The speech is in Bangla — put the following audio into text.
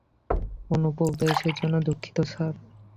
অনুপ্রবেশের জন্য দুঃখিত, স্যার।